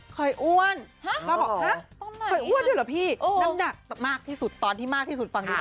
เคยอ้วนเหรอพี่น้ำหนักมากที่สุดตอนที่มากที่สุดฟังดีค่ะ